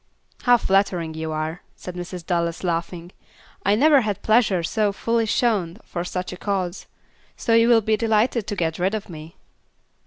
"How flattering you are," said Mrs. Dallas, laughing; "I never had pleasure so fully shown for such a cause. So you will be delighted to get rid of me?"